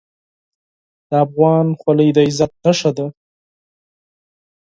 د افغان خولۍ د عزت نښه ده.